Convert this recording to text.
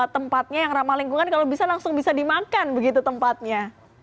tempatnya yang ramah lingkungan kalau bisa langsung bisa dimakan begitu tempatnya